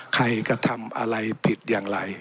ใครกระทำอะไรผิดอย่างไร